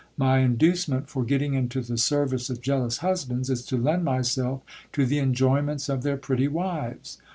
My inducement for getting into the service of jealous husbands is to lend myself to the enjoyments of their pretty wives.